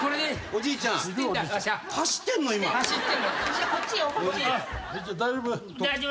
じいちゃん大丈夫？